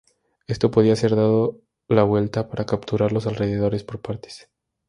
Esto podía ser dado la vuelta para capturar los alrededores por partes.